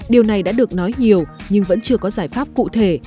điều này đã được nói nhiều nhưng vẫn chưa có giải pháp cụ thể